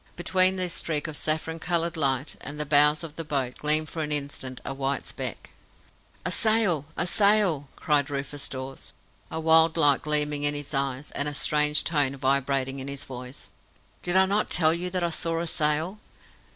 Between this streak of saffron coloured light and the bows of the boat gleamed for an instant a white speck. "A sail! a sail!" cried Rufus Dawes, a wild light gleaming in his eyes, and a strange tone vibrating in his voice. "Did I not tell you that I saw a sail?"